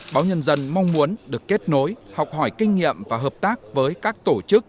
báo nhân dân mong muốn được kết nối học hỏi kinh nghiệm và hợp tác với các tổ chức